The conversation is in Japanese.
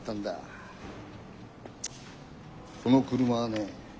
この車はね